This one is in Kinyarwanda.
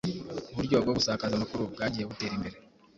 uburyo bwo gusakaza amakuru bwagiye butera imbere.